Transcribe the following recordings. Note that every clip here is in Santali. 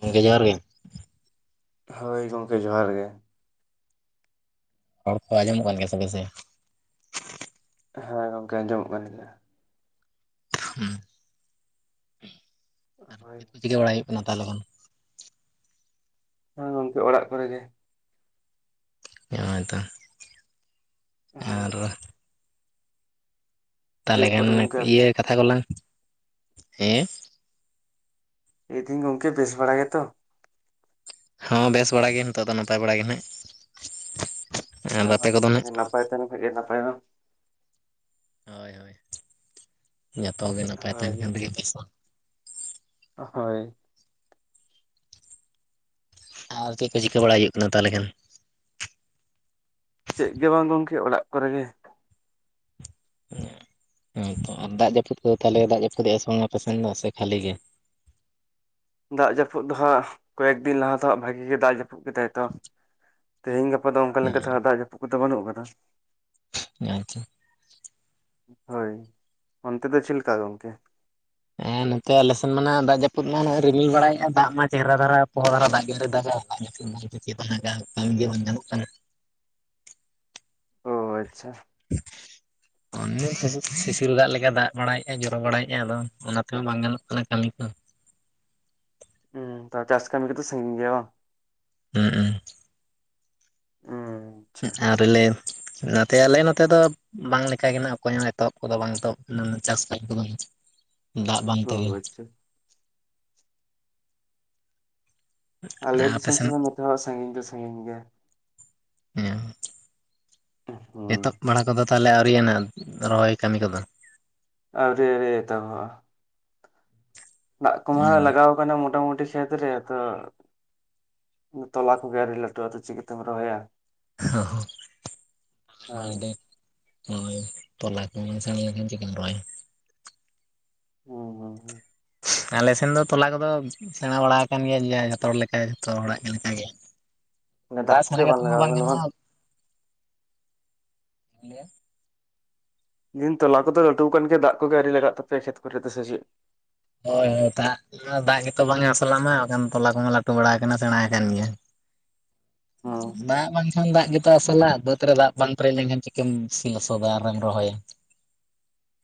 ᱜᱚᱢᱠᱮ ᱡᱚᱦᱟᱨ ᱜᱮ, ᱦᱳᱭ ᱜᱚᱢᱠᱮ ᱡᱚᱦᱟᱨ ᱜᱮ, ᱨᱚᱲ ᱠᱚ ᱟᱡᱚᱢᱚᱜ ᱠᱟᱱ ᱜᱮᱭᱟᱥᱮ ᱵᱮᱥ ᱜᱮ, ᱦᱮᱸ ᱜᱚᱢᱠᱮ ᱟᱸᱡᱚᱢᱚᱜ ᱠᱟᱱ ᱜᱮᱭᱟ ᱾ ᱦᱮᱸ [unintelligible] ᱦᱳᱭ ᱪᱮᱫ ᱠᱚ ᱪᱤᱠᱟᱹ ᱵᱟᱲᱟ ᱦᱩᱭᱩᱜ ᱠᱟᱱᱟ ᱛᱟ ᱞᱚᱜᱚᱱ ᱦᱮ ᱜᱚᱢᱠᱮ ᱚᱲᱟᱜ ᱠᱚᱨᱮ ᱜᱮ ᱾ ᱦᱭᱛᱚ [unintelligible] ᱦᱳᱭ ᱟᱨ ᱛᱟᱞᱮ ᱫᱤᱭᱮᱯᱚᱨ ᱠᱷᱟᱱ ᱜᱚᱢᱠᱮ ᱟᱯᱮ ᱤᱭᱟᱹ ᱠᱟᱛᱷᱟ ᱠᱚᱞᱟᱝ ᱦᱮᱸ ᱭᱫᱤᱧ ᱜᱚᱢᱠᱮ ᱵᱮᱥ ᱵᱟᱲᱟ ᱜᱮᱛᱚ ᱦᱚᱸ ᱵᱮᱥ ᱵᱟᱲᱟᱭ ᱜᱮ ᱱᱤᱛᱚᱜ ᱫᱚ ᱱᱟᱯᱟᱭ ᱵᱟᱲᱟ ᱜᱮ ᱱᱷᱟᱜ ᱦᱮ ᱵᱟᱠ [unintelligible] ᱱᱟᱯᱟᱭ ᱛᱟᱦᱮᱱ ᱠᱷᱟᱡ ᱱᱟᱯᱟᱭ ᱫᱚ ᱦᱳᱭ ᱦᱳᱭ ᱡᱚᱛᱚ ᱜᱮ ᱱᱟᱯᱟᱭ ᱛᱟᱦᱮᱱ ᱦᱳᱭ ᱠᱟᱱ ᱛᱮᱜᱮ ᱯᱚᱭᱥᱟ [unintelligible] ᱦᱳᱭ ᱟᱨ ᱪᱮᱫ ᱠᱚ ᱪᱤᱠᱟᱹ ᱵᱟᱲᱟ ᱦᱩᱭᱩᱜ ᱠᱟᱱᱟ ᱛᱟᱦᱚᱞᱮ ᱠᱷᱟᱱ? ᱪᱮᱫ ᱜᱮ ᱵᱟᱝ ᱜᱚᱢᱠᱮ ᱚᱲᱟᱜ ᱠᱚᱨᱮ ᱜᱮ, ᱦᱮᱸᱻ ᱛᱚ ᱟᱨ ᱫᱟᱜ ᱡᱟᱹᱯᱩᱫ ᱠᱚᱫᱚ ᱛᱟᱦᱞᱮ ᱫᱟᱜ ᱡᱟᱹᱯᱩᱫ ᱮᱫᱼᱟ ᱥᱮ ᱵᱟᱝ ᱟᱯᱮ ᱥᱮᱱ ᱫᱚ ᱥᱮ ᱠᱷᱟᱹᱞᱤ ᱜᱮ? ᱫᱟᱜ ᱡᱟᱹᱯᱩᱫ ᱫᱚ ᱦᱟᱸᱜ ᱠᱚᱭᱮᱠ ᱫᱤᱱ ᱞᱟᱦᱟ ᱫᱚ ᱦᱟᱸᱜ ᱵᱷᱟᱜᱤ ᱜᱮ ᱫᱟᱜ ᱡᱟᱹᱯᱩᱫ ᱠᱮᱫᱼᱟᱭ ᱛᱚ ᱛᱮᱦᱤᱧ ᱜᱟᱯᱟ ᱫᱚ ᱚᱱᱠᱟ ᱞᱮᱠᱟ ᱞᱮᱠᱟᱛᱮ ᱫᱟᱜ ᱡᱟᱹᱯᱩᱫ ᱠᱚᱫᱚ ᱵᱟᱹᱱᱩᱜ ᱟᱠᱟᱫᱼᱟ ᱟᱼᱪᱟ ᱦᱳᱭ! ᱚᱱᱛᱮ ᱫᱚ ᱪᱮᱫ ᱞᱮᱠᱟ ᱜᱚᱢᱠᱮ? ᱦᱮᱸ ᱱᱚᱛᱮ ᱟᱞᱮ ᱥᱮᱱ ᱢᱟ ᱫᱟᱜ ᱡᱟᱹᱯᱩᱫ ᱢᱟ ᱨᱤᱢᱤᱞ ᱵᱟᱲᱟᱭᱮᱫᱼᱟ ᱫᱟᱜ ᱢᱟ ᱪᱮᱦᱨᱟ ᱫᱷᱟᱨᱟ ᱯᱚᱦᱚ ᱫᱷᱟᱨᱟ ᱫᱟᱜ ᱜᱮ ᱛᱚᱭ ᱫᱟᱜᱟ ᱾ [inaudible] ᱜᱮ ᱵᱟᱝ ᱧᱟᱢᱚᱜ ᱠᱟᱱᱟ ᱚᱼ ᱟᱪᱷᱟ, ᱚᱱᱮ ᱥᱤᱥᱤᱨ ᱫᱟᱜ ᱞᱮᱠᱟ ᱫᱟᱜ ᱵᱟᱲᱟᱭᱮᱫᱼᱟᱭ ᱡᱚᱨᱚ ᱵᱟᱲᱟᱭᱮᱫ ᱟᱭ ᱟᱫᱚ ᱚᱱᱟ ᱛᱮᱦᱚᱸ ᱵᱟᱝ ᱜᱟᱱᱚᱜ ᱠᱟᱱᱟ ᱠᱟᱹᱢᱤ ᱠᱚ ᱦᱚᱸᱻ ᱛᱚ ᱪᱟᱥ ᱠᱟᱹᱢᱤ ᱠᱚᱫᱚ ᱥᱟᱺᱜᱤᱧ ᱜᱮᱭᱟ ᱵᱟᱝ? ᱦᱩᱸᱻ ᱩᱸ ᱦᱩᱸ ᱟᱪᱪᱷᱟ ᱟᱨ ᱞᱮ [unintelligible] ᱱᱚᱛᱮ ᱟᱞᱮ ᱱᱚᱛᱮ ᱫᱚ ᱵᱟᱝ ᱞᱮᱠᱟ ᱜᱮ ᱱᱟᱜ ᱚᱠᱚᱭ ᱦᱚᱸ ᱮᱛᱚᱦᱚᱵ ᱠᱚᱫᱚ ᱵᱟᱝ ᱮᱛᱚᱦᱚᱵ ᱟᱠᱟᱱᱟ ᱪᱟᱥ ᱠᱟᱢᱤ ᱠᱚᱫᱚ ᱦᱟᱸᱜ ᱫᱟᱜ ᱵᱟᱝ ᱚ ᱛᱮᱜᱮ, ᱟᱪᱪᱷᱟ ᱟᱞᱮ ᱫᱤᱥᱚᱢ ᱥᱮᱱ ᱦᱚᱸ ᱢᱤᱫ ᱦᱚᱲᱟᱜ ᱥᱟᱺᱜᱤᱧ ᱫᱚ ᱥᱟᱺᱜᱤᱧ ᱜᱮᱭᱟ ᱮᱦᱮᱢᱼᱪᱟᱜ ᱦᱩᱸ ᱮᱛᱚᱦᱚᱵ ᱵᱟᱲᱟ ᱠᱚᱫᱚ ᱛᱟᱦᱚᱞᱮ ᱟᱹᱣᱨᱤ ᱭᱟᱱᱷᱟᱦ ᱨᱚᱦᱚᱭ ᱠᱟᱹᱢᱤ ᱠᱚᱫᱚ? ᱟᱳᱨᱤ ᱟᱳᱨᱤ ᱮᱛᱚᱦᱚᱵᱼᱟ ᱫᱟᱜ ᱠᱚᱢᱟ ᱞᱟᱜᱟᱣ ᱟᱠᱟᱱᱟ ᱢᱚᱴᱟ ᱢᱩᱴᱤ ᱠᱷᱮᱛ ᱨᱮ ᱦᱟᱸᱻ ᱛᱚᱞᱟ ᱠᱚ ᱜᱮ ᱟᱹᱣᱨᱤ ᱞᱟᱹᱴᱩᱜᱼᱟ ᱛᱚ ᱪᱤᱠᱟ ᱛᱮᱢ ᱨᱚᱦᱚᱭᱟ ᱾ [inaudible] ᱦᱳᱭ ᱦᱳᱭ ᱛᱚᱞᱟ ᱠᱚ ᱥᱮᱸᱬᱟ ᱞᱮᱠᱷᱟᱱ ᱪᱤᱠᱟᱹᱢ ᱨᱚᱦᱚᱭᱟ ᱦᱩᱸ ᱦᱩᱸ ᱦᱩᱸ, [unintelligible] ᱟᱞᱮ ᱥᱮᱱ ᱫᱚ ᱛᱚᱞᱟ ᱠᱚᱫᱚ ᱥᱮᱸᱬᱟ ᱵᱟᱲᱟ ᱟᱠᱟᱱ ᱜᱮᱭᱟ ᱡᱮ ᱡᱷᱚᱛᱚ ᱦᱚᱲ ᱞᱮᱠᱟ ᱡᱷᱚᱛᱚ ᱦᱚᱲᱟᱜ ᱞᱮᱠᱟ ᱜᱮ ᱚᱱᱮ ᱫᱟᱜ ᱞᱟᱥ ᱠᱚᱜᱮ ᱢᱚᱱᱮ ᱠᱟᱛᱮ ᱢᱟ ᱞᱟᱜᱟᱣ ᱵᱟᱝ ᱠᱟᱱᱟ ᱜᱟᱱᱚᱜᱼᱟ [inaudible] ᱫᱤᱱ ᱛᱚᱞᱟ ᱠᱚᱫᱚ ᱞᱟᱹᱴᱩ ᱟᱠᱟᱱ ᱜᱮ ᱫᱟᱜ ᱠᱚᱜᱮ ᱟᱰᱤ ᱞᱟᱜᱟᱜ ᱛᱟᱯᱮᱭᱟ ᱠᱷᱮᱛ ᱠᱚᱨᱮ ᱫᱚ ᱥᱮ ᱪᱮᱫ? ᱦᱚᱭ ᱦᱚᱭ ᱚ ᱛᱟᱜ, ᱫᱟᱜ ᱜᱮᱛᱚ ᱵᱟᱝ ᱟᱥᱟ ᱞᱮᱱᱟ ᱢᱟ ᱵᱟᱠᱷᱟᱱ ᱛᱚᱞᱟ ᱠᱚᱢᱟ ᱞᱟᱹᱴᱩ ᱵᱟᱲᱟ ᱟᱠᱟᱱᱟ ᱥᱮᱬᱟ ᱠᱟᱱᱟᱱ ᱜᱮᱭᱟ ᱾ ᱦᱩᱸ [unintelligible] ᱫᱟᱜ ᱵᱟᱝᱠᱷᱟᱱ ᱫᱟᱜ ᱜᱮᱛᱚ ᱟᱥᱟ ᱞᱟᱜ ᱵᱟᱹᱫᱽ ᱨᱮ ᱫᱟᱜ ᱵᱟᱝ ᱯᱮᱨᱮᱡ ᱞᱮᱱᱠᱷᱟᱱ ᱪᱤᱠᱟᱹᱢ ᱥᱤ ᱞᱚᱥᱚᱫᱟ ᱟᱨᱮᱢ ᱨᱚᱦᱚᱭᱟ ᱾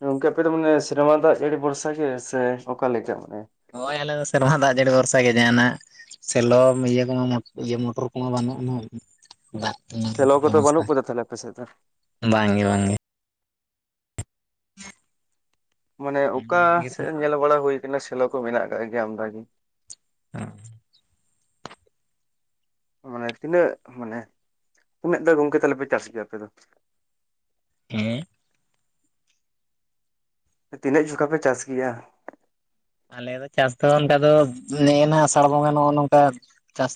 ᱜᱚᱝᱠᱮ ᱟᱯᱮ ᱫᱚ ᱢᱟᱱᱮ ᱥᱮᱨᱢᱟ ᱫᱟᱜ ᱡᱟᱹᱲᱤ ᱵᱷᱚᱨᱥᱟ ᱜᱮ ᱥᱮ ᱚᱠᱟ ᱞᱮᱠᱟ ᱢᱟᱱᱮ? ᱦᱚᱭ ᱟᱞᱮ ᱫᱚ ᱥᱮᱨᱢᱟ ᱫᱟᱜ ᱡᱟᱹᱲᱤ ᱵᱷᱚᱨᱥᱟ ᱜᱮ ᱡᱟᱦᱟᱱᱟᱜ᱾ ᱥᱮᱞᱚ ᱤᱭᱟᱹ ᱠᱚᱢᱟ ᱤᱭᱟᱹ ᱢᱚᱴᱚᱨ ᱠᱚᱢᱟ ᱵᱟᱹᱱᱩᱜ ᱟᱱᱟ ᱫᱟᱜ ᱾ ᱪᱮᱞᱚᱣ ᱠᱚᱫᱚ ᱵᱟᱹᱱᱩᱜ ᱠᱚᱫᱚ ᱛᱟᱦᱚᱞᱮ ᱟᱯᱮ ᱥᱮᱡ ᱫᱚ? ᱵᱟᱝ ᱜᱮ ᱵᱟᱝ ᱜᱮ ᱾ ᱢᱟᱱᱮ ᱚᱠᱟ ᱥᱮᱫ ᱧᱮᱞ ᱵᱟᱲᱟ ᱦᱳᱭ ᱠᱟᱱᱟ ᱥᱮᱞᱚ ᱠᱚ ᱢᱮᱱᱟᱜ ᱟᱠᱟᱫ ᱜᱮᱭᱟ ᱟᱢᱫᱟ ᱜᱮ? ᱟᱸᱻ ᱢᱟᱱᱮ ᱛᱤᱱᱟᱹᱜ ᱢᱟᱱᱮ ᱩᱱᱟᱹᱜ ᱫᱚ ᱜᱚᱝᱠᱮ ᱛᱟᱞᱮ ᱯᱮ ᱪᱟᱥ ᱜᱮᱭᱟ ᱟᱯᱮ ᱫᱚ? ᱦᱮᱸᱻ ᱛᱤᱱᱟᱹᱜ ᱡᱚᱠᱷᱟ ᱯᱮ ᱪᱟᱥ ᱜᱮᱭᱟ? ᱟᱞᱮ ᱫᱚ ᱪᱟᱥ ᱫᱚ ᱚᱱᱠᱟ ᱫᱚ ᱱᱮᱜ ᱮᱱᱟ ᱟᱥᱟᱲ ᱵᱚᱸᱜᱟ ᱱᱚᱜᱼᱚ ᱱᱚᱝᱠᱟ ᱪᱟᱥ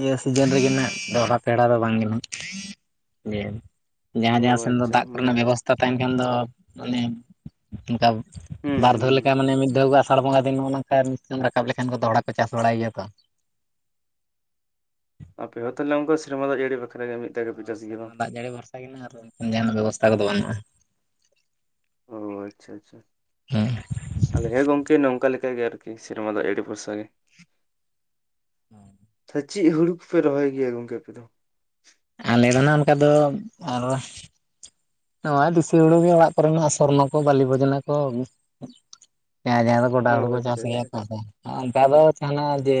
ᱤᱭᱟᱹ ᱥᱤᱡᱤᱱ ᱨᱮᱜᱮ ᱱᱟᱜ ᱫᱚᱦᱚᱲᱟ ᱯᱮᱲᱟ ᱫᱚ ᱵᱟᱝ ᱜᱮ ᱱᱟᱜ ᱞᱟᱹᱭᱮᱧ᱾ ᱚ ᱡᱟᱦᱟᱸ ᱡᱟᱦᱟᱸ ᱥᱮᱱ ᱫᱚ ᱟᱪᱪᱷᱟ ᱫᱟᱜ ᱢᱟᱱᱮ ᱠᱚᱨᱮᱱᱟᱜ ᱵᱮᱵᱚᱥᱛᱟ ᱛᱟᱦᱮᱱ ᱠᱷᱟᱱ ᱫᱚ ᱢᱟᱱᱮ ᱚᱱᱠᱟ ᱦᱩᱸ ᱵᱟᱨ ᱦᱩᱸ ᱫᱷᱟᱣ ᱦᱩᱸ ᱞᱮᱠᱟ ᱢᱟᱱᱮ ᱢᱤᱫ ᱫᱷᱟᱣ ᱟᱥᱟᱲ ᱵᱚᱸᱜᱟ ᱫᱤᱱ ᱱᱚᱜᱼᱚ ᱱᱚᱝᱠᱟ ᱨᱟᱠᱟᱵ ᱞᱮᱠᱷᱟᱱ ᱫᱚᱦᱚᱲᱟ ᱠᱚ ᱪᱟᱥ ᱵᱟᱲᱟᱭ ᱜᱮᱭᱟ ᱛᱚ᱾ ᱟᱯᱮ ᱦᱚᱸ ᱛᱟᱦᱚᱞᱮ ᱚᱱᱠᱟ ᱥᱮᱨᱢᱟ ᱫᱟᱜ ᱡᱟᱹᱲᱤ ᱵᱟᱠᱷᱟᱨᱟ ᱜᱮ ᱢᱤᱫ ᱫᱷᱟᱣ ᱜᱮᱯᱮ ᱦᱳᱭ ᱪᱟᱥ ᱜᱮᱭᱟ ᱥᱮᱨᱢᱟ ᱵᱟᱝ? ᱫᱟᱜ ᱡᱟᱹᱲᱤ ᱵᱷᱚᱨᱥᱟ ᱜᱮ ᱟᱨ ᱡᱟᱦᱟᱱᱟᱜ ᱵᱮᱵᱚᱥᱛᱷᱟ ᱠᱚᱫᱚ ᱵᱟᱹᱱᱩᱜᱼᱟ᱾ ᱚ ᱟᱪᱪᱷᱟ ᱟᱪᱪᱷᱟ ᱾ ᱦᱮᱸ ᱟᱞᱮ ᱦᱮᱸ ᱜᱚᱝᱠᱮ ᱱᱚᱝᱠᱟ ᱞᱮᱠᱟ ᱜᱮ ᱟᱨᱠᱤ ᱥᱮᱨᱢᱟ ᱫᱟᱜ ᱡᱟᱹᱲᱤ ᱵᱷᱚᱨᱥᱟ ᱜᱮ ᱾ [inaudible] ᱪᱮᱫ ᱦᱩᱲᱩ ᱠᱚᱯᱮ ᱨᱚᱦᱚᱭ ᱜᱮᱭᱟ ᱜᱚᱝᱠᱮ ᱟᱯᱮ ᱫᱚ? ᱟᱞᱮ ᱫᱚ ᱱᱟᱜ ᱚᱱᱠᱟ ᱫᱚ ᱟᱨ ᱱᱚᱣᱟᱜ ᱫᱤᱥᱟᱹ ᱦᱩᱲᱩ ᱜᱮ ᱚᱲᱟᱜ ᱠᱚᱨᱮᱱᱟᱜ ᱥᱚᱨᱱᱚ ᱠᱚ ᱵᱟᱹᱞᱤ ᱵᱚᱡᱱᱟ ᱠᱚ ᱡᱟᱦᱟᱸ ᱡᱟᱦᱟᱸ ᱫᱚ ᱜᱚᱰᱟ ᱚ ᱦᱩᱲᱩ ᱠᱚ ᱟᱪᱪᱷᱟ ᱪᱟᱥ ᱜᱮᱭᱟ ᱟᱪᱪᱷᱟ ᱠᱚ ᱛᱮ ᱚᱱᱠᱟ ᱫᱚ ᱡᱟᱦᱟᱱᱟᱜ ᱡᱮ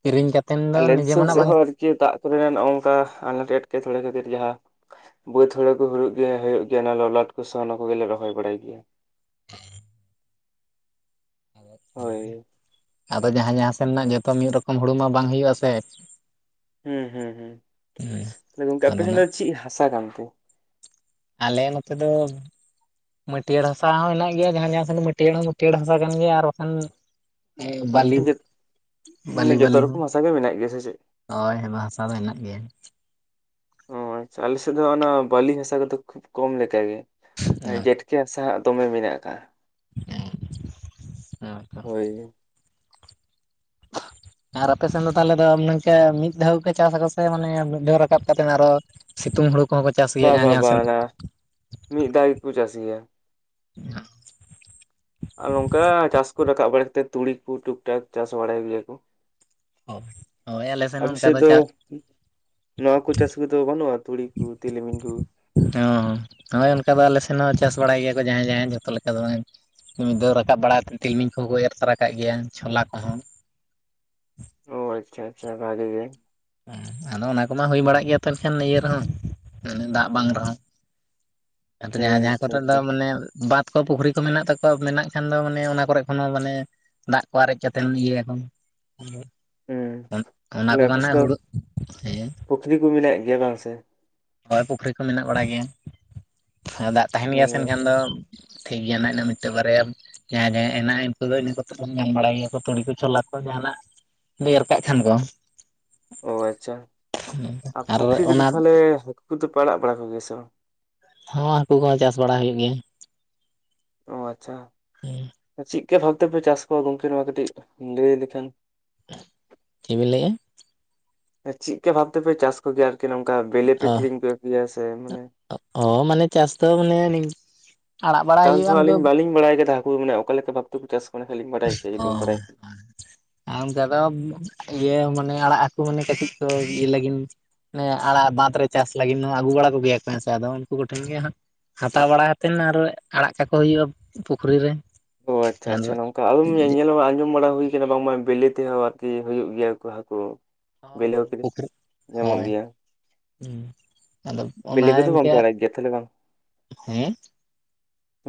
ᱠᱤᱨᱤᱧ ᱠᱟᱛᱮ ᱛᱮᱱ ᱫᱚ ᱱᱤᱡᱮ ᱢᱱᱟᱜ ᱵᱟᱝ - ᱪᱮᱫ ᱫᱟᱜ ᱠᱚᱨᱮᱱᱟᱜ ᱱᱚᱝᱠᱟ ᱟᱱᱟᱴ ᱮᱴᱠᱮ ᱴᱚᱸᱲᱮ ᱠᱷᱟᱹᱛᱤᱨ ᱡᱟᱦᱟᱸ ᱵᱟᱹᱫᱽ ᱦᱩᱲᱩ ᱠᱚ ᱦᱩᱭᱩᱜ ᱜᱮᱭᱟ ᱦᱳᱭᱳᱜ ᱜᱮᱭᱟ ᱚᱱᱟ ᱞᱚᱞᱟᱴ ᱠᱚ ᱥᱚᱨᱱᱚ ᱠᱚᱜᱮ ᱞᱮ ᱨᱚᱦᱚᱭ ᱵᱟᱲᱟᱭ ᱜᱮᱭᱟ ᱾ ᱦᱳᱭᱻ ᱟᱫᱚ ᱡᱟᱦᱟᱸ ᱡᱟᱦᱟᱸ ᱥᱮᱱ ᱨᱮᱱᱟᱜ ᱡᱚᱛᱚ ᱢᱤᱫ ᱨᱚᱠᱚᱢ ᱦᱩᱲᱩ ᱢᱟ ᱵᱟᱝ ᱦᱩᱭᱩᱜ ᱟ ᱥᱮ ᱦᱩᱸ ᱦᱩᱸ ᱦᱩᱸ ᱦᱮᱸ ᱛᱟᱦᱞᱮ ᱜᱚᱝᱠᱮ ᱟᱯᱮ ᱟᱫᱚ ᱥᱮᱱ ᱱᱟᱜ ᱫᱚ ᱪᱮᱫ ᱦᱟᱥᱟ ᱠᱟᱱᱛᱮ? ᱟᱞᱮ ᱱᱚᱛᱮ ᱫᱚ᱾ ᱢᱟᱹᱴᱤᱭᱟᱹᱲ ᱦᱟᱥᱟ ᱦᱚᱸ ᱦᱮᱱᱟᱜ ᱜᱮᱭᱟ ᱡᱟᱸᱦᱟ ᱡᱟᱸᱦᱟ ᱥᱮᱫ ᱫᱚ ᱢᱟᱹᱴᱤᱭᱟᱹᱲ ᱦᱚᱸ ᱢᱟᱹᱴᱭᱟᱹᱲ ᱦᱟᱥᱟ ᱠᱟᱱ ᱜᱮᱭᱟ ᱟᱨ ᱵᱟᱠᱷᱟᱱ᱾ ᱮ ᱵᱟᱞᱤ ᱢᱟᱱᱮ ᱵᱟᱞᱤ ᱡᱚᱛᱚ ᱵᱟᱞᱤ ᱦᱚᱸ ᱨᱚᱠᱚᱢ ᱦᱟᱥᱟ ᱜᱮ ᱢᱮᱱᱟᱜ ᱜᱮᱭᱟ ᱥᱮ ᱪᱮᱫ? ᱦᱳᱭ ᱦᱮᱢᱟ ᱦᱟᱥᱟ ᱫᱚ ᱢᱮᱱᱟᱜ ᱜᱮᱭᱟ᱾ ᱦᱳᱭ ᱟᱞᱮᱥᱮᱫ ᱫᱚ ᱚᱱᱟ ᱵᱟᱹᱞᱤ ᱦᱟᱥᱟ ᱠᱚᱫᱚ ᱠᱷᱩᱵ ᱠᱚᱢ ᱞᱮᱠᱟ ᱜᱮ ᱡᱮᱴ ᱪᱮᱫ ᱦᱟᱥᱟ ᱫᱚᱢᱮ ᱢᱮᱱᱟᱜ ᱟᱠᱟᱜ ᱟ ᱾ ᱦᱮᱸ ᱦᱮᱸᱛᱚ᱾ ᱦᱳᱭ [unintelligible] ᱟᱨ ᱟᱯᱮ ᱥᱮᱱ ᱫᱚ ᱛᱟᱦᱚᱞᱮ ᱫᱚ ᱢᱤᱫ ᱫᱷᱟᱹᱣ ᱯᱮ ᱪᱟᱥ ᱟᱠᱚ ᱥᱮ ᱢᱟᱱᱮ ᱢᱤᱫ ᱫᱷᱟᱹᱣ ᱨᱟᱠᱟᱵ ᱠᱟᱛᱮ ᱟᱨᱦᱚᱸ? ᱥᱤᱛᱩᱝ ᱦᱳᱲᱳ ᱠᱚᱦᱚᱸ ᱠᱚ ᱪᱟᱥ ᱵᱟ ᱜᱮᱭᱟ ᱡᱟᱦᱟᱸ ᱵᱟ ᱡᱟᱦᱟᱸ ᱵᱟ ᱥᱮᱱ᱾ ᱚᱱᱟ ᱢᱤᱫ ᱫᱷᱟᱣ ᱜᱮᱠᱚ ᱪᱟᱥ ᱜᱤᱭᱟ᱾ [unintelligible] ᱟᱨ ᱱᱚᱝᱠᱟ ᱪᱟᱥ ᱠᱚ ᱨᱟᱠᱟᱵ ᱵᱟᱲᱟ ᱠᱟᱛᱮᱫ ᱛᱩᱲᱤ ᱠᱩ ᱴᱩᱠ ᱴᱟᱠ ᱪᱟᱥ ᱵᱟᱲᱟᱭ ᱜᱮᱭᱟ ᱠᱚ ᱾ ᱦᱳᱭ ᱟᱞᱮ ᱥᱮᱱ ᱦᱚ ᱱᱚᱝᱠᱟ ᱫᱚ ᱪᱟᱥ ᱱᱚᱣᱟ ᱠᱚ ᱪᱟᱥ ᱠᱚᱫᱚ ᱵᱟᱱᱩᱜᱼᱟ ᱛᱩᱲᱤ ᱠᱩ ᱛᱤᱞᱢᱤᱧ ᱠᱩ? ᱦᱩᱸᱻ ᱦᱚᱭ ᱚᱱᱠᱟ ᱫᱚ ᱟᱞᱮ ᱥᱮᱱ ᱦᱚᱸ ᱪᱟᱥ ᱵᱟᱲᱟᱭ ᱜᱮᱭᱟ ᱠᱚ ᱡᱟᱦᱟᱭ ᱡᱟᱦᱟᱭ ᱡᱷᱚᱛᱚ ᱞᱮᱠᱟ ᱫᱚ ᱵᱟᱝ᱾ ᱢᱤᱫᱟᱹᱣ ᱨᱟᱠᱟᱵ ᱵᱟᱲᱟ ᱠᱟᱛᱮᱫ ᱛᱤᱞᱢᱤᱧ ᱠᱚᱦᱚᱸ ᱮᱨ ᱛᱚᱨᱟ ᱠᱟᱜ ᱜᱮᱭᱟ ᱪᱷᱚᱞᱟ ᱠᱚᱦᱚᱸ᱾ ᱚ ᱟᱪᱪᱷᱟ ᱟᱪᱪᱷᱟ ᱵᱷᱟᱜᱮ ᱜᱮ᱾ ᱦᱚ ᱟᱫᱚ ᱚᱱᱟ ᱠᱚᱢᱟ ᱦᱩᱭ ᱵᱟᱲᱟᱜ ᱜᱮᱭᱟ ᱮᱱᱠᱷᱟᱱ ᱤᱭᱟᱹ ᱨᱮᱦᱚᱸ ᱢᱟᱱᱮ ᱫᱟᱜ ᱵᱟᱝ ᱨᱮᱦᱚᱸ᱾ ᱟᱫᱚ ᱦᱩᱸ ᱡᱟᱦᱟᱸ ᱡᱟᱦᱟᱸ ᱟᱪᱪᱷᱟ ᱠᱚᱨᱮ ᱫᱚ ᱟᱪᱪᱷᱟ ᱢᱟᱱᱮ ᱵᱟᱫ᱾ ᱯᱩᱠᱷᱤᱨᱤ ᱠᱚ ᱢᱮᱱᱟᱜ ᱛᱟᱠᱚᱣᱟ ᱢᱮᱱᱟᱜ ᱠᱷᱟᱱ ᱫᱚ ᱢᱟᱱᱮ ᱚᱱᱟ ᱠᱚᱨᱮ ᱠᱷᱚᱱ ᱦᱚᱸ ᱢᱟᱱᱮ᱾ ᱫᱟᱜ ᱠᱚ ᱟᱨᱮᱡ ᱠᱟᱛᱮ ᱤᱭᱟᱹ ᱭᱟᱠᱚ ᱦᱩᱸ ᱚᱱᱟ ᱛᱟᱦᱞᱮ ᱠᱚ ᱟᱯᱮ ᱢᱟᱱᱮ ᱥᱮᱫ ᱫᱚ ᱦᱩᱲᱩ ᱯᱩᱠᱷᱨᱤ ᱠᱚ ᱢᱮᱱᱟᱜ ᱜᱮᱭᱟ ᱵᱟᱝ ᱥᱮ? ᱦᱚᱭ ᱯᱩᱠᱷᱨᱤ ᱠᱚ ᱢᱮᱱᱟᱜ ᱵᱟᱲᱟ ᱜᱮᱭᱟ ᱫᱟᱜ ᱛᱟᱦᱮᱱ ᱦᱩᱸ ᱜᱮᱭᱟ ᱥᱮ ᱮᱱᱠᱷᱟᱱ ᱟᱪᱪᱷᱟ, ᱫᱚ ᱴᱷᱤᱠ ᱜᱮᱭᱟ ᱱᱟᱦᱟᱜ ᱤᱱᱟ ᱢᱤᱫᱴᱮᱱ ᱵᱟᱨᱭᱟ ᱡᱟᱦᱟᱭ ᱡᱟᱦᱟᱭᱟ ᱢᱮᱱᱟᱜ ᱩᱱᱠᱩ ᱫᱚ ᱤᱱᱟ ᱧᱟᱢ ᱵᱟᱲᱟᱭ ᱜᱮᱭᱟᱠᱚ ᱛᱩᱲᱤ ᱠᱚ ᱪᱷᱚᱞᱟ ᱠᱚ ᱡᱟᱦᱟᱱᱟᱜ ᱾ ᱮᱨ ᱠᱟᱜ ᱠᱷᱟᱱ ᱠᱚ ᱾ ᱚ ᱟᱪᱪᱷᱟ ᱟᱨ ᱾ ᱯᱩᱠᱷᱨᱤ ᱠᱚᱫᱚ ᱛᱟᱦᱚᱞᱮ ᱦᱟᱹᱠᱩ ᱠᱚᱫᱚ ᱯᱮ ᱟᱲᱟᱜ ᱵᱟᱲᱟ ᱠᱚᱜᱮᱭᱟ ᱥᱮ ᱵᱟᱝ? ᱦᱚ ᱦᱟᱹᱠᱩ ᱠᱚᱦᱚᱸ ᱪᱟᱥ ᱵᱟᱲᱟ ᱦᱩᱭᱩᱜ ᱜᱮᱭᱟ ᱾ ᱚ ᱟᱪᱪᱷᱟ [unintelligible] ᱵᱷᱟᱵ ᱛᱮᱯᱮ ᱪᱟᱥ ᱠᱚᱣᱟ ᱜᱚᱝᱠᱮ ᱱᱚᱣᱟ ᱠᱟᱹᱴᱤᱡ ᱞᱟᱹᱭ ᱞᱮᱠᱷᱟᱱ ᱪᱮᱫ ᱵᱤᱱ ᱞᱟᱹᱭᱮᱫ-ᱟ? ᱪᱮᱫᱠᱟ ᱵᱷᱟᱵᱽ ᱛᱮᱯᱮ ᱪᱟᱥ ᱠᱚᱜᱮᱭᱟ ᱟᱨᱠᱤ ᱱᱚᱝᱠᱟ ᱵᱮᱞᱮ ᱯᱮ ᱚ ᱠᱤᱨᱤᱧ ᱠᱚᱜᱮᱭᱟ ᱥᱮ ᱢᱟᱱᱮ? ᱚ ᱢᱟᱱᱮ ᱪᱟᱥ ᱫᱚ ᱢᱟᱱᱮ ᱟᱲᱟᱜ ᱵᱟᱲᱟᱭ ᱪᱟᱥ ᱫᱚ ᱦᱩᱭᱩᱜᱼᱟ ᱩᱱᱠᱩ ᱟᱹᱞᱤᱧ ᱵᱟᱹᱞᱤᱧ ᱵᱟᱲᱟᱭ ᱠᱮᱫᱟ ᱦᱟᱹᱠᱩ ᱢᱟᱱ ᱚᱠᱟ ᱞᱮᱠᱟ ᱵᱷᱟᱵ ᱛᱮᱠᱚ ᱪᱟᱥ ᱠᱚ ᱮᱠᱷᱟᱱᱞᱤᱧ ᱵᱟᱲᱟᱭ ᱠᱮᱭᱟ ᱾ ᱡᱩᱤ ᱵᱟᱲᱟᱭ ᱠᱷᱟᱱ ᱟᱢ ᱫᱟᱫᱟ ᱤᱭᱟᱹ ᱢᱟᱱᱮ ᱟᱲᱟᱜ ᱦᱟᱹᱠᱩ ᱢᱟᱱᱮ ᱠᱟᱹᱴᱤᱡ ᱠᱚ ᱤᱭᱟᱹ ᱞᱟᱹᱜᱤᱫ ᱟᱲᱟᱜ ᱵᱟᱸᱫᱷ ᱨᱮ ᱪᱟᱥ ᱞᱟᱹᱜᱤᱫ ᱦᱚᱸ ᱟᱹᱜᱩ ᱵᱟᱲᱟ ᱠᱚᱜᱮᱭᱟ ᱠᱚ ᱦᱮᱸ ᱥᱮ ᱟᱫᱚ ᱩᱱᱠᱩ ᱠᱚᱴᱷᱮᱱ ᱜᱮ ᱦᱟᱸᱜ ᱦᱟᱛᱟᱣ ᱵᱟᱲᱟ ᱠᱟᱛᱮᱫ ᱟᱨ ᱦᱚ ᱟᱲᱟᱜ ᱠᱟᱠᱚ ᱦᱩᱭᱩᱜᱼᱟ ᱯᱩᱠᱷᱨᱤ ᱨᱮ ᱾ ᱚ ᱟᱪᱪᱷᱟ-ᱟᱪᱪᱷᱟ ᱱᱚᱝᱠᱟ ᱟᱞᱤᱧ ᱧᱮᱞ ᱵᱟᱲᱟ ᱟᱸᱡᱚᱢ ᱵᱟᱲᱟ ᱦᱩᱭ ᱵᱟᱝᱢᱟ ᱵᱤᱞᱤ ᱛᱮᱦᱚᱸ ᱟᱨᱠᱤ ᱦᱩᱭᱩᱜ ᱜᱮᱭᱟ ᱦᱟᱹᱠᱩ ᱾ ᱵᱤᱞᱮ [unintelligible] ᱯᱩᱠᱷᱨᱤ ᱧᱟᱢᱚᱜ ᱦᱳᱭ ᱜᱮᱭᱟ ᱾ ᱟᱫᱚ ᱚᱱᱟ ᱵᱟᱝᱯᱮ ᱤᱱᱠᱟᱹ ᱟᱲᱟᱜ ᱜᱮᱭᱟ ᱛᱟᱦᱚᱞᱮ ᱦᱮᱸ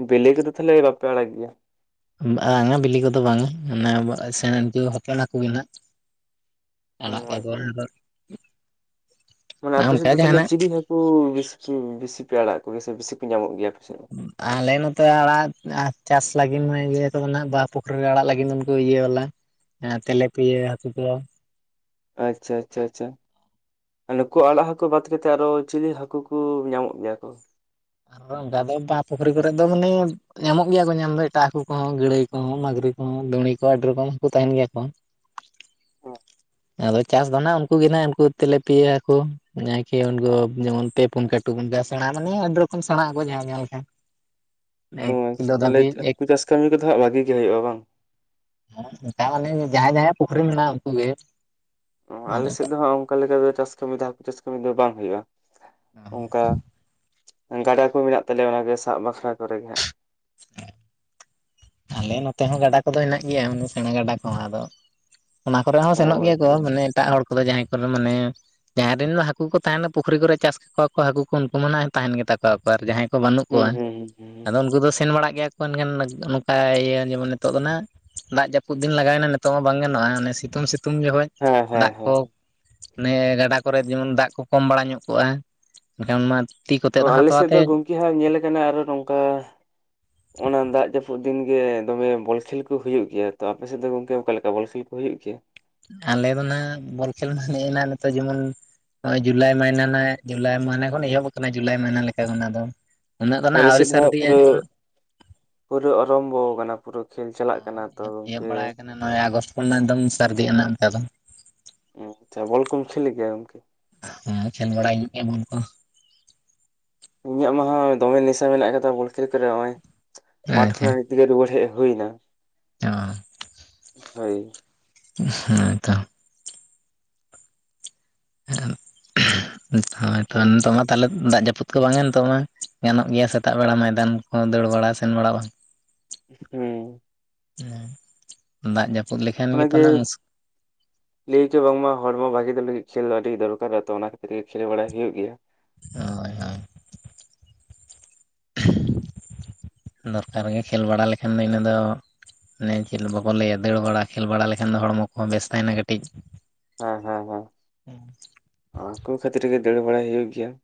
ᱵᱤᱞᱤ ᱠᱚ ᱠᱚ ᱫᱚ ᱛᱟᱦᱞᱮ ᱵᱟᱯᱮ ᱵᱟᱲᱟ ᱜᱮᱭᱟ? ᱵᱟᱝᱟ ᱵᱤᱞᱤ ᱠᱚᱫᱚ ᱵᱟᱝ ᱢᱟᱱᱮ ᱥᱮᱬᱮᱱ ᱠᱚ ᱦᱚᱯᱚᱱ ᱟᱠᱚᱵᱤᱱ [unintelligible] ᱾ ᱚ ᱟᱪᱪᱷᱟ [unintelligible] ᱡᱟᱦᱸᱟᱱᱟᱜ ᱩᱻ [unintelligible] ᱵᱮᱥᱤ ᱯᱮ ᱟᱲᱟᱜ ᱠᱚᱜᱭᱟ ᱥᱮ ᱵᱮᱥᱤ ᱯᱮ ᱧᱟᱢᱚᱜ ᱜᱮᱭᱟ ᱟᱯᱮᱥᱮᱫ ᱢᱟ ᱟᱞᱮ ᱱᱚᱛᱮ ᱟᱲᱟᱜ ᱪᱟᱥ ᱞᱟᱹᱜᱤᱫ ᱤᱭᱟᱹ ᱠᱚᱫᱚ ᱱᱟᱜ ᱵᱟᱟᱦ ᱯᱩᱠᱷᱨᱤ ᱨᱮ ᱟᱲᱟᱜ ᱞᱟᱹᱜᱤᱫ ᱩᱱᱠᱩ ᱤᱭᱟᱹ ᱵᱟᱞᱟ [unintelligible] ᱮᱞᱮ ᱯᱤᱭᱟᱹ ᱦᱟᱹᱠᱩ ᱫᱚ ᱟᱪᱪᱷᱟ ᱟᱪᱪᱷᱟ ᱟᱪᱪᱷᱟ ᱟᱨ ᱱᱩᱠᱩ ᱟᱲᱟᱜ ᱦᱟᱹᱠᱩ ᱵᱟᱫ ᱠᱟᱛᱮᱫ ᱟᱨᱚ ᱪᱤᱞᱤ ᱦᱟᱹᱠᱩ ᱠᱚ ᱧᱟᱢᱚᱜ ᱜᱮᱭᱟ ᱠᱚ? ᱟᱨ ᱚᱱᱠᱟ ᱫᱚ ᱵᱟᱦᱟ ᱯᱩᱠᱷᱨᱤ ᱠᱚᱨᱮ ᱫᱚ ᱢᱟᱱᱮ ᱧᱟᱢᱚᱜ ᱜᱮᱭᱟ ᱠᱚ ᱧᱟᱢ ᱫᱚ ᱮᱴᱟᱜ ᱦᱟᱹᱠᱩ ᱠᱚᱦᱚᱸ ᱜᱟᱹᱲᱟᱹᱭ ᱠᱚᱦᱚᱸ, ᱢᱟᱹᱜᱽᱨᱤ ᱠᱚᱦᱚᱸ, ᱫᱩᱬᱤ ᱠᱚ ᱟᱹᱰᱤ ᱨᱚᱠᱚᱢ ᱦᱚᱸᱠᱩ ᱛᱟᱦᱮᱱ ᱜᱮᱭᱟ ᱠᱚ ᱾ ᱟᱫᱚ ᱪᱟᱥ ᱫᱚ ᱱᱟᱜ ᱩᱱᱠᱩ ᱜᱮ ᱱᱟᱜ ᱩᱱᱠᱩ ᱛᱮᱞᱮ ᱯᱤᱭᱭᱟ ᱠᱚ ᱱᱟᱭᱠᱤ ᱩᱱᱠᱩ ᱡᱮᱢᱚᱱ ᱯᱮ ᱯᱩᱱ ᱠᱟᱴ ᱩᱰ ᱥᱮᱬᱟᱜ ᱢᱟᱱᱮ ᱟᱹᱰᱤ ᱨᱚᱠᱚᱢ ᱥᱮᱬᱟᱜ ᱟᱠᱚ ᱡᱟᱦᱟᱸ ᱧᱮᱞᱟ ᱚ ᱛᱟᱦᱚᱞᱮ ᱦᱟᱠᱩ ᱪᱟᱥ ᱠᱟᱹᱢᱤ ᱠᱚᱫᱚ ᱦᱟᱜ ᱵᱷᱟᱜᱤ ᱜᱮ ᱦᱩᱭᱩᱜᱼᱟ ᱵᱟᱝ? ᱦᱮᱸ ᱱᱚᱠᱟ ᱢᱟᱱᱮ ᱡᱟᱦᱟᱸᱭ ᱡᱟᱦᱟᱸᱟᱭ ᱯᱩᱠᱷᱨᱤ ᱢᱮᱱᱟᱜ ᱩᱱᱠᱩ ᱜᱮ ᱟᱞᱮ ᱟᱫᱚ ᱥᱮᱫ ᱫᱚ ᱦᱟᱜ ᱚᱱᱠᱟ ᱞᱮᱠᱟ ᱫᱚ ᱪᱟᱥ ᱠᱟᱹᱢᱤ ᱫᱚ ᱦᱟᱹᱠᱩ ᱪᱟᱥ ᱠᱟᱹᱢᱤ ᱫᱚ ᱵᱟᱝ ᱦᱩᱭᱩᱜᱼᱟ ᱚᱱᱠᱟ ᱾ ᱜᱟᱰᱟ ᱠᱚ ᱢᱮᱱᱟᱜ ᱛᱟᱞᱮᱭᱟ ᱚᱱᱟᱜᱮ ᱥᱟᱵ ᱵᱟᱠᱷᱨᱟ ᱠᱚᱨᱮ ᱜᱮ ᱦᱟᱸᱜ ᱾ [unintelligible] ᱟᱞᱮ ᱱᱚᱛᱮ ᱦᱚᱸ ᱜᱟᱰᱟ ᱠᱚᱫᱚ ᱦᱮᱱᱟᱜ ᱜᱮᱭᱟ ᱥᱮᱬᱟ ᱜᱟᱰᱟ ᱠᱚᱦᱚᱸ ᱟᱫᱚ ᱚᱱᱟ ᱠᱚᱨᱮ ᱦᱚᱸ ᱚ ᱥᱮᱱᱚᱜ ᱜᱮᱭᱟ ᱠᱚ ᱟᱪᱪᱷᱟ ᱟᱪᱪᱷᱟ ᱢᱟᱱᱮ ᱮᱴᱟᱜ ᱦᱚᱲ ᱠᱚᱫᱚ ᱡᱟᱦᱟᱸᱭ ᱠᱚᱨᱮ ᱢᱟᱱᱮ ᱡᱟᱦᱟᱸᱭ ᱨᱮᱱ ᱫᱚ ᱦᱟᱠᱩ ᱠᱚ ᱛᱟᱦᱮᱱᱟ ᱯᱩᱠᱷᱨᱤ ᱠᱚᱨᱮ ᱪᱟᱥ ᱠᱚᱣᱟ ᱠᱚ ᱦᱟᱹᱠᱩ ᱠᱩ ᱩᱱᱠᱩ ᱢᱟ ᱛᱟᱦᱮᱱ ᱜᱮᱛᱟ ᱠᱚ ᱠᱚ ᱟᱨ ᱡᱟᱦᱟᱸᱭ ᱠᱚ ᱵᱟᱹᱱᱩᱜ ᱦᱩᱸ ᱠᱚᱣᱟ ᱦᱩᱸ ᱦᱩᱸ ᱦᱩᱸ ᱟᱫᱚ ᱩᱱᱠᱩ ᱫᱚ ᱥᱮᱱ ᱵᱟᱲᱟᱜ ᱜᱮᱭᱟ ᱠᱚ ᱮᱱᱠᱷᱟᱱ ᱤᱭᱟᱹ ᱡᱮᱢᱚᱱ ᱱᱤᱛᱚᱜ ᱫᱚ ᱱᱟᱜ ᱫᱟᱜ ᱡᱟᱹᱯᱩᱫ ᱫᱤᱱ ᱞᱟᱜᱟᱣ ᱮᱱᱟ ᱱᱤᱛᱚᱜ ᱢᱟ ᱵᱟᱝ ᱜᱟᱱᱚᱜᱼᱟ ᱚᱱᱮ ᱥᱤᱛᱩᱝ ᱥᱤᱛᱩᱝ ᱡᱚᱠᱷᱚᱡ ᱦᱮᱸ ᱦᱮᱸ ᱫᱟᱜ ᱦᱮᱸ ᱠᱚ ᱚᱱᱮ ᱜᱟᱰᱟ ᱠᱚᱨᱮ ᱡᱮᱢᱚᱱ ᱫᱟᱜ ᱠᱚ ᱠᱚᱢ ᱵᱟᱲᱟ ᱧᱚᱜ ᱠᱚᱜᱼᱟ ᱮᱱᱠᱷᱟᱱ ᱢᱟ ᱚ ᱟᱞᱮ ᱥᱮᱫ ᱫᱚ ᱜᱚᱢᱠᱮ ᱦᱟᱜ ᱧᱮᱞ ᱟᱠᱟᱱᱟ ᱟᱨᱚ ᱱᱚᱝᱠᱟ ᱚᱱᱟ ᱫᱟᱜ ᱡᱟᱹᱯᱩᱫ ᱫᱤᱱ ᱜᱮ ᱫᱚᱢᱮ ᱵᱚᱞ ᱠᱷᱮᱞ ᱠᱚ ᱦᱩᱭᱩᱜ ᱜᱮᱭᱟ ᱾ ᱛᱚ ᱟᱯᱮ ᱥᱮᱫ ᱫᱚ ᱜᱚᱢᱠᱮ ᱚᱠᱟ ᱞᱮᱠᱟ ᱵᱚᱞ ᱠᱷᱮᱞ ᱦᱩᱭᱩᱜ ᱜᱮᱭᱟ? ᱟᱞᱮ ᱫᱚ ᱱᱟᱜ ᱵᱚᱞ ᱠᱷᱮᱞ ᱱᱮᱜ ᱮ ᱱᱷᱟᱜ ᱱᱤᱛᱚᱜ ᱡᱮᱢᱚᱱ ᱱᱚᱜ-ᱚᱭ ᱡᱩᱞᱟᱭ ᱢᱟᱹᱦᱱᱟᱹ ᱡᱩᱞᱟᱭ ᱢᱟᱹᱦᱱᱟᱹ ᱠᱷᱚᱱ ᱮᱦᱚᱵ ᱟᱠᱟᱱᱟ ᱡᱩᱞᱟᱭ ᱢᱟᱹᱦᱱᱟ ᱞᱮ ᱞᱮᱠᱟ ᱚᱱᱟ ᱫᱚ ᱾ ᱩᱱᱹᱜ ᱫᱚ ᱱᱷᱟᱜ ᱟᱞᱮ ᱟᱹᱣᱨᱤ ᱥᱮᱫ ᱦᱟᱸᱜ ᱥᱟᱹᱨᱫᱤᱜ-ᱟ ᱯᱩᱨᱟᱹ ᱡᱮᱢᱚᱱ ᱯᱩᱨᱟᱹ ᱚᱨᱚᱢᱵᱷᱚ ᱟᱠᱟᱱᱟ ᱯᱩᱨᱟᱹ ᱠᱷᱮᱞ ᱪᱟᱞᱟᱜ ᱚ ᱠᱟᱱᱟ ᱛᱚ ᱮᱦᱚᱵ ᱜᱚᱝᱠᱮ ᱵᱟᱲᱟ ᱟᱠᱟᱱᱟ ᱱᱚᱜᱼᱚᱭ ᱟᱜᱚᱥᱴ ᱠᱷᱚᱱᱟᱝ ᱮᱠᱫᱚᱢ ᱥᱟᱹᱨᱫᱤ [unintelligible] ᱫᱚ ᱚ ᱟᱪᱪᱷᱟ ᱵᱚᱞ ᱠᱚᱢ ᱠᱷᱮᱞᱮᱫ ᱜᱮᱭᱟ ᱜᱚᱢᱠᱮ ᱦᱮᱸ ᱠᱷᱮᱞ ᱵᱟᱲᱟᱭᱤᱧ ᱮᱢᱚᱱ ᱫᱚ ᱾ ᱤᱧᱟᱜ ᱢᱟᱦᱟ ᱫᱚᱢᱮ ᱱᱤᱥᱟᱹ ᱢᱮᱱᱟᱜ ᱟᱠᱟᱫᱟ ᱵᱚᱞ ᱠᱷᱮᱞ ᱠᱚᱨᱮ ᱱᱚᱜᱼᱚᱭ ᱢᱟᱴᱷ ᱠᱷᱚᱱᱟᱜ, [unintelligible] ᱦᱮᱡ ᱦᱩᱭ ᱮᱱᱟ ᱾ ᱚᱸᱻ ᱦᱳᱭ ᱾ ᱦᱮᱸ ᱛᱚ [unintelligible] ᱦᱳᱭ ᱛᱚ ᱱᱤᱛ [unintelligible] ᱢᱟ ᱛᱟᱦᱚᱞᱮ ᱫᱟᱜ ᱡᱟᱹᱯᱩᱫ ᱠᱚ ᱵᱟᱝᱟ ᱱᱤᱛᱚᱜ ᱢᱟ ᱜᱟᱱᱚᱜ ᱜᱮᱭᱟ ᱥᱮᱛᱟᱜ ᱵᱮᱲᱟ ᱢᱟᱭᱫᱟᱱ ᱠᱚ ᱫᱟᱹᱲ ᱵᱟᱲᱟ ᱥᱮᱱ ᱵᱟᱲᱟ ᱵᱟᱝ ᱾ ᱦᱩᱸᱻ ᱦᱩᱸᱻ ᱫᱟᱜ ᱡᱟᱹᱯᱩᱫ ᱞᱮᱠᱷᱟᱱ ᱜᱮᱛᱚ ᱱᱷᱟᱜ ᱢᱩᱥ ᱞᱟᱹᱭᱪᱚ ᱵᱟᱝᱢᱟ ᱦᱚᱲᱢᱚ ᱵᱷᱟᱜᱤ ᱫᱚ ᱞᱟᱹᱜᱤᱫ ᱠᱷᱮᱞ ᱫᱚ ᱟᱹᱰᱤ ᱫᱚᱨᱠᱟᱨᱟ ᱛᱚ ᱚᱱᱟ ᱠᱷᱟᱹᱛᱤᱨ ᱜᱮ ᱠᱷᱮᱞ ᱵᱟᱲᱟᱟᱭ ᱦᱩᱭᱩᱜ ᱜᱮᱭᱟ ᱦᱳᱭ ᱦᱳᱭ [unintelligible] ᱫᱚᱨᱠᱟᱨ ᱜᱮ ᱠᱷᱮᱞ ᱵᱟᱲᱟ ᱞᱮᱠᱷᱟᱱ ᱫᱚ ᱤᱱᱟᱹ ᱫᱚ, ᱚᱱᱮ ᱪᱮᱫ ᱵᱟᱵᱚ ᱞᱟᱹᱭᱟ ᱾ ᱫᱟᱹᱲ ᱵᱟᱲᱟ, ᱠᱷᱮᱞ ᱵᱟᱲᱟ, ᱞᱮᱠᱷᱟᱱ ᱫᱚ ᱦᱚᱲᱢᱚ ᱠᱚ ᱦᱚᱸ ᱵᱮᱥ ᱛᱟᱦᱮᱱᱟ ᱾ ᱠᱟᱹᱴᱤᱡ ᱾ ᱦᱚᱸ ᱦᱚᱸ ᱦᱚᱸ, [inaudible] ᱠᱷᱟᱹᱛᱤᱨ ᱜᱮ ᱫᱟᱹᱲ ᱵᱟᱲᱟᱟᱭ ᱦᱩᱭᱩᱜ ᱜᱮᱭᱟ ᱾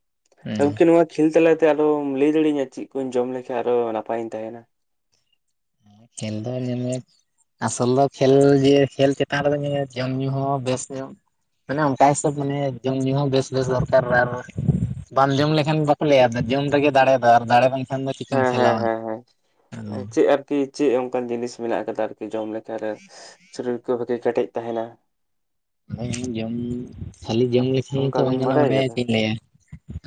ᱦᱮᱸ ᱜᱚᱢᱠᱮ! ᱱᱚᱣᱟ ᱠᱷᱮᱞ ᱛᱟᱞᱟᱛᱮ, ᱟᱨᱚᱢ ᱞᱟᱹᱭ ᱫᱟᱲᱮᱟᱹᱧᱟ, ᱪᱮᱫ? ᱠᱩᱧ ᱡᱚᱢ ᱞᱮᱠᱷᱟᱱ ᱟᱨᱚ, ᱱᱟᱯᱟᱭᱤᱧ ᱛᱟᱦᱮᱱᱟ ᱾ ᱠᱷᱮᱞ ᱫᱚ, ᱧᱮ [inaudible] ᱟᱥᱚᱞ ᱫᱚ, ᱠᱷᱮᱞ ᱜᱮ, ᱠᱷᱮᱞ ᱪᱮᱛᱟᱱ ᱨᱮᱫᱚ, ᱡᱚᱢ ᱧᱩ ᱦᱚᱸ ᱵᱮᱥ ᱧᱚᱜ? ᱢᱟᱱᱮ ᱚᱱᱠᱟ ᱦᱤᱥᱟᱹᱵ, ᱢᱟᱱᱮ ᱡᱚᱢ ᱧᱩᱩ ᱦᱚᱸ ᱵᱮᱥ ᱵᱮᱥ, ᱫᱚᱨᱠᱟᱨ ᱟᱨ ᱵᱟᱢ ᱡᱚᱢ ᱞᱮᱠᱷᱟᱱ ᱞᱟᱹᱭᱟ, ᱡᱚᱢ ᱨᱮᱜᱮ ᱫᱟᱲᱮ ᱫᱚ ᱾ ᱟᱨ ᱫᱟᱲᱮ ᱵᱟᱝᱱᱠᱷᱟᱱ ᱫᱚ, ᱪᱤᱠᱟᱹᱢ ᱦᱮᱸ ᱠᱷᱮᱞᱟᱣᱟ? ᱚᱻ ᱠᱤ ᱪᱮᱫ? ᱚᱱᱠᱟᱱ ᱡᱤᱱᱤᱥ ᱢᱮᱱᱟᱜ ᱟᱠᱟᱫᱟ ᱾ ᱟᱨᱠᱤ ᱡᱚᱢ ᱞᱮᱠᱟᱨᱮ? ᱥᱚᱨᱤᱨ ᱠᱚ [inaudible] ᱠᱮᱴᱮᱡ ᱛᱟᱦᱮᱱᱟ ᱾ ᱦᱚᱭ, ᱡᱚᱢ! ᱠᱷᱟᱹᱞᱤ ᱡᱚᱢ ᱞᱮᱠᱷᱟᱱ ᱚᱱᱠᱟ ᱛᱚ, ᱵᱟᱝ ᱵᱤᱱ ᱜᱟᱱᱚᱜᱼᱟ ᱾ ᱵᱟᱰᱟᱭ ᱢᱟᱱᱮ ᱠᱟᱫᱟ ᱪᱮᱫ ᱤᱧ ᱞᱟᱹᱭᱟ?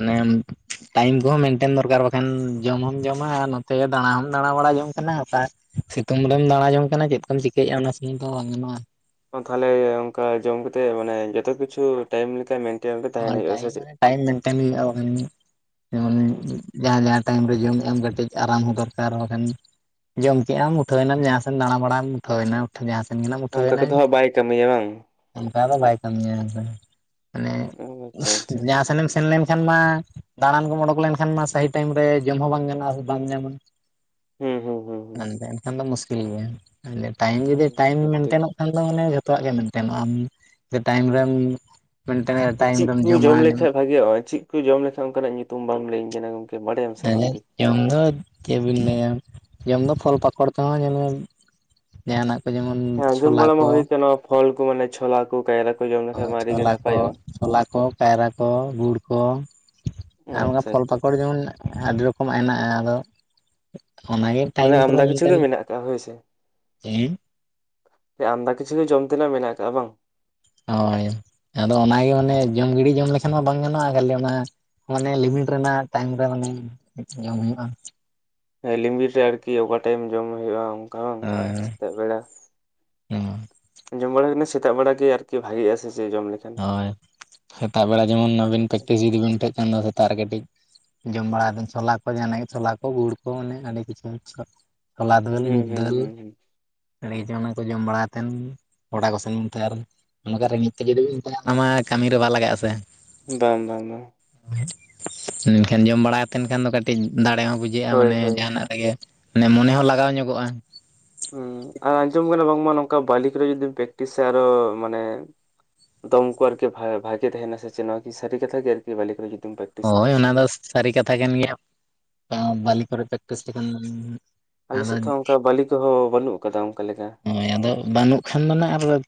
ᱱᱮ [unintelligible] ᱴᱟᱭᱤᱢ ᱠᱚᱦᱚᱸ, ᱢᱮᱱᱴᱮᱱ ᱫᱚᱨᱠᱟᱨ ᱾ ᱵᱟᱠᱷᱟᱱ ᱡᱚᱢ ᱦᱚᱢ ᱡᱚᱢᱟ, ᱟᱨ ᱱᱚᱛᱮ ᱫᱟᱬᱟ ᱦᱚᱢ ᱫᱟᱬᱟ, ᱵᱟᱟᱲᱟ ᱡᱚᱝ ᱠᱟᱱᱟ ᱾ ᱚᱠᱟ ᱥᱤᱛᱩᱝ ᱨᱮᱢ ᱫᱟᱬᱟ ᱡᱚᱝ ᱠᱟᱱᱟ ᱾ ᱪᱮᱫ ᱠᱚᱢ ᱪᱤᱠᱟᱹᱭᱮᱫᱼᱟ ᱚᱱᱟ ᱥᱩᱢᱩᱝ ᱛᱮ ᱦᱚᱸ ᱵᱟᱝ ᱜᱟᱱᱚᱜᱼᱟ? ᱦᱚᱸ, ᱛᱟᱦᱚᱞᱮ, ᱚᱱᱠᱟ ᱡᱚᱢ ᱠᱟᱛᱮᱫ, ᱢᱟᱱᱮ ᱡᱚᱛᱚ ᱠᱤᱪᱷᱩ, ᱴᱟᱭᱤᱢ ᱞᱮᱠᱟ ᱢᱮᱱ ᱟᱨ ᱴᱟᱭᱤᱢ ᱢᱟᱱᱮ ᱴᱟᱭᱤᱢ ᱢᱮᱴᱮᱱ ᱦᱩᱭᱩᱜ-ᱟ ᱾ ᱡᱮᱢᱚᱱ, ᱡᱟᱦᱟᱸ ᱡᱟᱦᱟᱸ, ᱴᱟᱭᱤᱢ ᱨᱮ ᱡᱚᱢ ᱢᱮᱟᱢ, ᱠᱟᱹᱴᱤᱡ ᱟᱨᱟᱢ ᱦᱚᱸ, ᱫᱚᱨᱠᱟᱨ ᱠᱟᱱ ᱡᱚᱢ ᱠᱮᱜ ᱟᱢ, ᱩᱴᱷᱟᱹᱣ ᱮᱱᱟᱢ ᱡᱟᱦᱟᱸ ᱥᱮᱫ ᱫᱟᱬᱟ ᱵᱟᱲᱟᱢ ᱩᱴᱷᱟᱹᱣ ᱮᱱᱟ ᱾ ᱡᱟᱦᱟᱸᱥᱮᱱ ᱜᱮᱱᱟᱦ ᱮᱢ, ᱩᱴᱷᱟᱹᱣ ᱚᱱᱠᱟ ᱮᱱᱟ ᱠᱚᱫᱚ ᱦᱟᱸᱜ ᱵᱟᱭ ᱠᱟᱹᱢᱤᱭᱟ ᱵᱟᱝ ᱾ ᱚᱱᱠᱟ ᱫᱚ ᱵᱟᱭ ᱠᱟᱹᱢᱤᱭᱟ ᱾ ᱢᱟᱱᱮ ᱚ ᱟᱪᱪᱷᱟ ᱩᱸᱪᱷᱼᱦ, ᱟᱪᱪᱷᱟ ᱡᱟᱦᱟᱸ ᱥᱮᱱᱮᱢ ᱥᱮᱱ ᱞᱮᱱᱠᱷᱟᱱ ᱢᱟ? ᱫᱟᱬᱟᱱ ᱠᱚᱢ, ᱚᱰᱚᱠ ᱞᱮᱱᱠᱷᱟᱱ ᱢᱟ, ᱥᱟᱦᱤ ᱴᱟᱭᱤᱢ ᱨᱮ, ᱡᱚᱢ ᱦᱚᱸ ᱵᱟᱝ ᱜᱟᱱᱚᱜᱼᱟ ᱾ ᱥᱮ ᱵᱟᱢ ᱧᱟᱢᱟ ᱾ ᱦᱩᱸ ᱦᱩᱸ ᱾ ᱦᱮᱸ, ᱮᱱᱠᱷᱟᱱ ᱫᱚ, ᱢᱩᱥᱠᱤᱞ ᱜᱮᱭᱟ ᱾ ᱴᱟᱭᱤᱢ ᱡᱩᱫᱤ, ᱴᱟᱭᱤᱢ ᱦᱩᱸ ᱴᱷᱤᱠ ᱢᱮᱱᱴᱮᱱᱚᱜ ᱾ ᱠᱷᱟᱱ ᱫᱚ, ᱢᱟᱱᱮ ᱡᱷᱚᱛᱚᱣᱟᱜ ᱜᱮ ᱢᱮᱱᱴᱮᱱᱚᱜᱼᱟ ᱾ ᱟᱢ ᱡᱮ, ᱴᱟᱭᱤᱢ ᱨᱮᱢ ᱢᱮᱱᱴᱮ ᱪᱮᱫ ᱠᱚ ᱡᱚᱢ, ᱞᱮᱠᱷᱟᱡ ᱵᱷᱟᱜᱤᱮᱜᱼᱟ? ᱪᱮᱫ ᱠᱚ ᱡᱚᱢ, ᱞᱮᱠᱷᱟᱡ ᱚᱱᱠᱟᱱᱟᱜ ᱾ ᱧᱩᱛᱩᱢ ᱵᱟᱢ, ᱞᱟᱹᱭᱟᱹᱧ ᱠᱟᱱᱟ ᱾ ᱜᱚᱢᱠᱮ! ᱵᱟᱰᱟᱭᱟᱢ ᱥᱮ ᱵᱟᱝ ᱜᱮ? ᱡᱚᱢ ᱫᱚ, ᱪᱮᱫᱵᱤᱱ ᱞᱟᱹᱭᱟ ᱾ ᱡᱚᱢ ᱫᱚ, ᱯᱷᱚᱞ ᱯᱟᱠᱚᱲ ᱛᱮᱦᱚᱸ ᱧᱮᱞ ᱢᱮ ᱾ ᱟᱸᱡᱚᱢ ᱵᱟᱲᱟ ᱢᱟ, ᱠᱚ ᱦᱩᱭ ᱟᱠᱟᱱᱟ ᱾ ᱯᱷᱚᱞ ᱠᱚ ᱢᱟᱱᱮ, ᱪᱷᱳᱞᱟ ᱠᱚ, ᱠᱟᱭᱨᱟ ᱠᱚ, ᱡᱚᱢ ᱞᱮᱠᱷᱟ ᱢᱟ ᱟᱰᱤ ᱜᱮ ᱪᱷᱚᱞᱟ ᱠᱚ ᱱᱟᱯᱟᱭᱚᱜᱼᱟ ᱾ ᱪᱷᱚᱞᱟ ᱠᱚ, ᱠᱟᱭᱨᱟ ᱠᱚ, ᱜᱩᱲ ᱠᱚ, ᱚ ᱟᱨ ᱚᱱᱠᱟ ᱟᱪᱪᱷᱟ ᱯᱷᱚᱞ ᱟᱪᱪᱷᱟ ᱯᱟᱠᱚᱲ, ᱡᱮᱢᱚᱱ ᱟᱹᱰᱤ ᱨᱚᱠᱚᱢᱟᱜ ᱦᱮᱱᱟᱜᱼᱟ ᱾ ᱟᱫᱚ, ᱚᱱᱟᱜᱮ ᱢᱟᱱᱮ, ᱴᱟᱭᱤᱢ ᱠᱚᱨᱮ ᱟᱢᱫᱟ ᱠᱤᱪᱷᱩ ᱢᱤᱫᱴᱮᱱ ᱜᱮ, ᱢᱮᱱᱟᱜ ᱟᱠᱟᱫᱼᱟ ᱾ ᱦᱳᱭᱥᱮ! ᱦᱮᱸ ᱟᱢᱫᱟ ᱠᱤᱪᱷᱩ ᱜᱮ, ᱡᱚᱢ ᱛᱮᱱᱟᱜ ᱢᱮᱱᱟᱜ ᱟᱠᱟᱜᱼᱟ ᱾ ᱵᱟᱝ? ᱦᱳᱭ! ᱟᱫᱚ ᱚᱱᱟ ᱜᱮ ᱢᱟᱱᱮ, ᱡᱚᱢ ᱜᱤᱰᱤ ᱡᱚᱢ, ᱞᱮᱠᱷᱟᱱ ᱢᱟ ᱵᱟᱝ ᱜᱟᱱᱚᱜᱼᱟ ᱾ ᱠᱷᱟᱹᱞᱤ ᱚᱱᱟ ᱢᱟᱱᱮ, ᱞᱤᱢᱤᱴ ᱨᱮᱱᱟᱜ ᱴᱟᱭᱤᱢ ᱨᱮ, ᱢᱟᱱᱮ ᱡᱚᱢ ᱦᱩᱭᱩᱜᱼᱟ ᱾ ᱦᱮᱸ ᱞᱤᱢᱤᱴ ᱨᱮ ᱟᱨᱠᱤ ᱚᱵᱷᱟᱨ ᱴᱟᱭᱤᱢ ᱡᱚᱢ ᱦᱩᱭᱩᱜᱼᱟ ᱚᱱᱠᱟ ᱥᱮᱛᱟᱜ ᱵᱮᱲᱟ ᱚᱸ ᱡᱚᱢ ᱵᱟᱲᱟ ᱟᱠᱟᱱᱟ ᱥᱮᱛᱟᱜ ᱵᱮᱲᱟᱟᱜ ᱜᱮ ᱟᱨᱠᱤ ᱵᱷᱟᱜᱤᱜᱼᱟ ᱥᱮᱪᱮ ᱡᱚᱢ ᱞᱮᱠᱷᱟᱱ ᱦᱳᱭ ᱥᱮᱛᱟᱜ ᱵᱮᱲᱟ ᱡᱮᱢᱚᱱ ᱟᱪᱪᱷᱟ ᱟᱹᱵᱤᱱ ᱟᱪᱪᱷᱟ ᱯᱮᱠᱴᱤᱥ ᱡᱤᱫᱤ ᱵᱤᱱ ᱩᱴᱟᱹᱜ ᱠᱷᱟᱱ ᱫᱚ ᱥᱮᱛᱟᱜ ᱠᱟᱹᱴᱤᱡ ᱡᱚᱢ ᱵᱟᱲᱟ ᱥᱳᱞᱟ ᱠᱚ ᱡᱟᱦᱟᱱᱟᱜ ᱜᱮ ᱥᱳᱞᱟ ᱠᱚ ᱜᱩᱲ ᱠᱚ ᱢᱚᱱᱮ ᱟᱹᱰᱤ ᱠᱤᱪᱷᱩ ᱦᱚᱞᱟ ᱫᱟᱹᱞ ᱦᱩᱸ ᱢᱩᱠ ᱦᱩᱸ ᱫᱟᱹᱞ ᱦᱩᱸ ᱦᱩᱸ ᱟᱹᱰᱤᱪ ᱚᱱᱟ ᱠᱚ ᱡᱚᱢ ᱵᱟᱲᱟ ᱠᱟᱛᱮᱱ ᱜᱚᱰᱟ ᱠᱚ [inaudible] ᱚᱱᱠᱟ ᱨᱮᱸᱜᱮᱡ ᱛᱮ ᱡᱩᱫᱤ ᱟᱢᱟᱜ ᱠᱟᱹᱢᱤ ᱨᱮ ᱵᱟᱝ ᱞᱟᱜᱟᱜᱼᱟ ᱥᱮ ᱵᱟᱝ ᱵᱟᱝ ᱵᱟᱝ ᱢᱮᱱᱠᱷᱟᱱ ᱡᱚᱢ ᱵᱟᱲᱟ ᱠᱟᱛᱮ ᱠᱷᱟᱱ ᱫᱚ ᱠᱟᱹᱴᱤᱡ ᱫᱟᱲᱮ ᱦᱚᱸ ᱵᱩᱡᱷᱟᱹᱜᱼᱟ ᱦᱳᱭ ᱢᱟᱱᱮ ᱦᱳᱭ ᱡᱟᱦᱟᱱᱟᱜ ᱨᱮᱜᱮ ᱢᱟᱱᱮ ᱢᱚᱱᱮ ᱦᱚᱸ ᱞᱟᱜᱟᱣ ᱧᱚᱜᱚᱜᱼᱟ ᱦᱸ ᱟᱸᱡᱚᱢ ᱠᱟᱱᱟ ᱵᱟᱝᱢᱟ ᱱᱚᱝᱠᱟ ᱵᱟᱞᱤ ᱥᱟᱨᱮ ᱡᱩᱫᱤ ᱯᱮᱠᱴᱤᱥ ᱥᱟ ᱟᱨᱚ ᱢᱟᱱᱮ ᱫᱚ ᱩᱱᱠᱩ ᱟᱨᱠᱤ ᱵᱷᱟᱜᱮ ᱛᱟᱦᱮᱱᱟ ᱥᱮ ᱪᱮᱫ ᱱᱚᱣᱟ ᱠᱤ ᱥᱟᱹᱨᱤ ᱠᱟᱛᱷᱟ ᱜᱮ ᱟᱨᱠᱤ ᱵᱟᱞᱤ ᱠᱚᱨᱮ ᱡᱩᱫᱤᱢ ᱯᱨᱮᱠᱴᱤᱥᱟ ᱦᱳᱭ ᱚᱱᱟ ᱫᱚ ᱥᱟᱹᱨᱤ ᱠᱟᱛᱷᱟ ᱠᱟᱱ ᱜᱮᱭᱟ ᱵᱟᱞᱤ ᱠᱚᱨᱮ [unintelligible] ᱟᱞᱮ ᱥᱮᱫ ᱫᱚ ᱚᱱᱠᱟ ᱵᱟᱹᱞᱤ ᱠᱚᱦᱚᱸ ᱵᱟᱹᱱᱩᱜ ᱟᱠᱟᱫᱟ ᱚᱱᱠᱟ ᱞᱮᱠᱟ ᱦᱳᱭ ᱟᱫᱚ ᱵᱟᱹᱱᱩᱜ ᱠᱷᱟᱱ ᱫᱚ ᱟᱜ ᱟᱨ